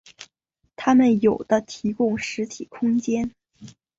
它们有的提供实体空间。